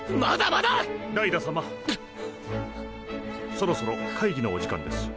そろそろ会議のお時間です。